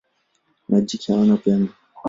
Majike hawana pembe.